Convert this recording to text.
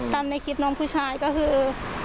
ในคลิปน้องผู้ชายก็คือ